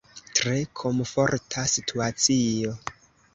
Tre komforta situacio.